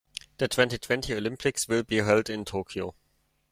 The twenty-twenty Olympics will be held in Tokyo.